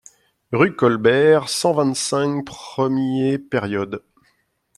Rue Colbert, cent vingt-cinq premier période.